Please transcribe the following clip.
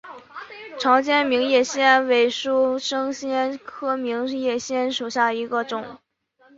长尖明叶藓为树生藓科明叶藓属下的一个种。